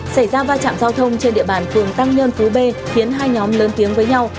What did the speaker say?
xảy ra va chạm giao thông trên địa bàn phường tăng nhơn phú b khiến hai nhóm lớn tiếng với nhau